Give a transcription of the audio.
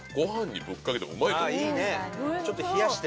あいいね。